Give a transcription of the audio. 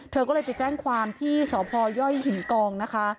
เธอก็เลยไปแจ้งความที่สพยหินกองนะคะ